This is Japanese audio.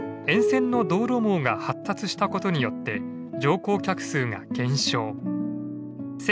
沿線の道路網が発達したことによって乗降客数が減少。